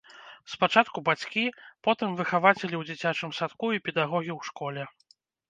Спачатку бацькі, потым выхавацелі ў дзіцячым садку і педагогі ў школе.